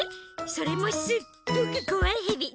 それもすっごくこわいヘビ！